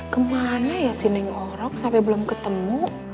kemana ya si neng orok sampai belum ketemu